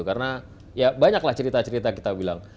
karena ya banyaklah cerita cerita kita bilang